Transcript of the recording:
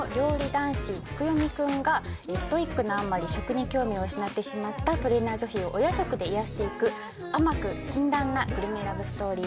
男子月読くんがストイックなあまり食に興味を失ってしまったトレーナー女子をお夜食で癒やしていく甘く禁断なグルメラブストーリーです。